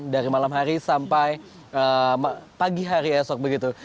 dari malam hari sampai pagi hari esok begitu